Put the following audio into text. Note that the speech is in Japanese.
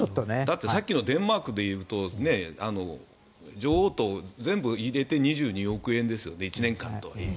さっきのデンマークでいうと女王と全部入れて２２億円ですよね１年間といい。